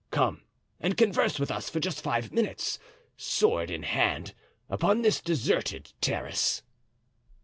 Come and converse with us for just five minutes, sword in hand, upon this deserted terrace."